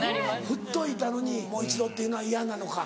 ふっといたのにもう一度っていうのは嫌なのか。